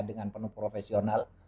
dengan penuh profesional